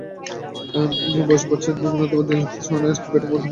বয়স বাড়ছে, তিলকরত্নে দিলশানের ওয়ানডে ব্যাটিং গড়ও বাড়ছে সেটির সঙ্গে বিস্ময়কর তাল মিলিয়ে।